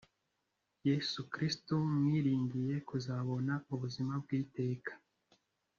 Yesu Kristo mwiringiye kuzabona ubuzima bw iteka